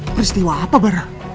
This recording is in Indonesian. peristiwa apa barah